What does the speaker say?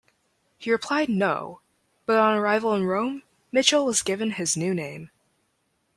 He replied no, but on arrival in Rome, Mitchell was given his new name.